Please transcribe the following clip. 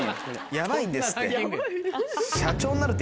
ヤバいんですって。